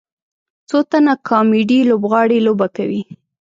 څو تنه کامیډي لوبغاړي لوبه کوي.